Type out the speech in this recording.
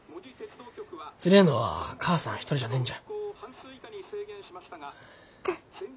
つれえのは母さん一人じゃねえんじゃ。